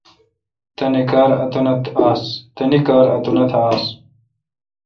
تانی کار اتونتھ آس۔